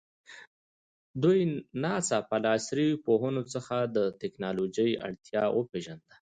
دوی ناڅاپه له عصري پوهنو څخه د تکنالوژي اړتیا وپېژانده.